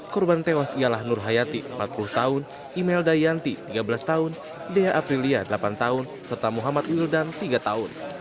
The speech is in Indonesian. korban tewas ialah nur hayati empat puluh tahun imelda yanti tiga belas tahun deha aprilia delapan tahun serta muhammad wildan tiga tahun